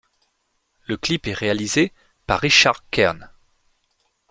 Le clip est réalisé par Richard Kern.